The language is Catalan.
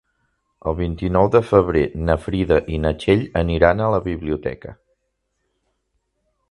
El vint-i-nou de febrer na Frida i na Txell aniran a la biblioteca.